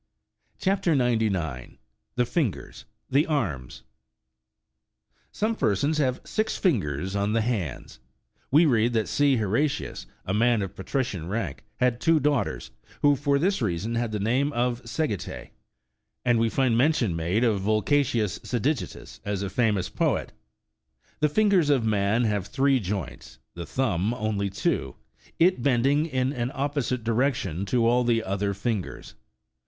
CHAP. 99. THE FINGEES, THE AEMS. Some persons have six fingers on the hands, "We read that C. Horatius, a man of patrician rank, had two daughters, who for this reason had the name of " Sedigitae ;" and we find mention made of Volcatius Sedigitus,34 as a famous poet. The fingers of man have three joints, the thumb only two, it bending in an opposite direction to all the other fingers.